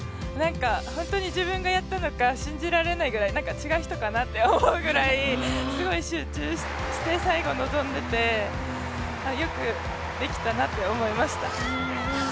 本当に自分がやったのか信じられないぐらい違う人かなって思うぐらいすごい集中して、最後臨んでて、よくできたなって思いました。